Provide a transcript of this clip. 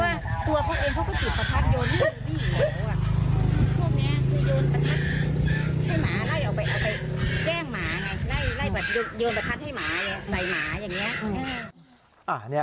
เอาไปแจ้งหมาไงไล่ไล่โยนประทัดให้หมาไล่ใส่หมาอย่างเงี้ย